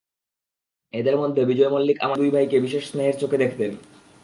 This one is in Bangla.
এঁদের মধ্যে বিজয় মল্লিক আমাদের দুই ভাইকে বিশেষ স্নেহের চোখে দেখতেন।